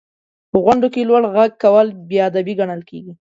• په غونډو کې لوړ ږغ کول بې ادبي ګڼل کېږي.